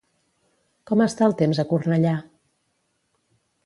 Com està el temps a Cornellà?